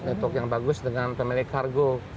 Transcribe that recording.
untuk yang bagus dengan pemilik kargo